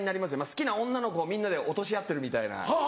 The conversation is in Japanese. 好きな女の子をみんなで落とし合ってるみたいな。